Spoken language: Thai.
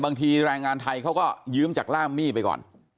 บางทีแรงงานไทยเขาก็ยืมจากล่ามมี่ไปก่อน